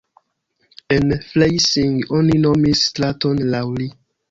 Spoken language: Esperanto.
En Freising oni nomis straton laŭ li.